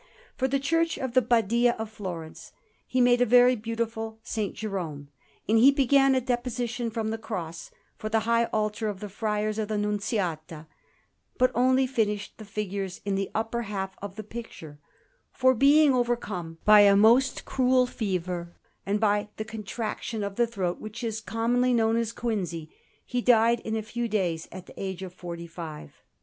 For the Church of the Badia of Florence he made a very beautiful S. Jerome; and he began a Deposition from the Cross for the high altar of the Friars of the Nunziata, but only finished the figures in the upper half of the picture, for, being overcome by a most cruel fever and by that contraction of the throat that is commonly known as quinsy, he died in a few days at the age of forty five.